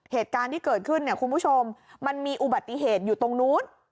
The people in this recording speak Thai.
เหตุการณ์ที่เกิดขึ้นเนี่ยคุณผู้ชมมันมีอุบัติเหตุอยู่ตรงนู้น